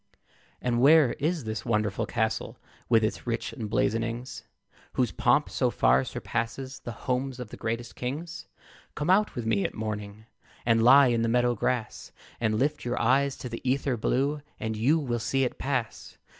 And where is this wonderful castle, With its rich emblazonings, Whose pomp so far surpasses The homes of the greatest kings? Come out with me at morning And lie in the meadow grass, And lift your eyes to the ether blue, And you will see it pass.